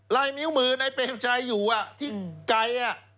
ลายนิ้วมือในเปรมชัยอยู่ที่ไกล